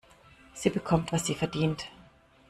Sie bekommt, was sie verdient.